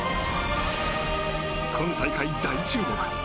今大会、大注目！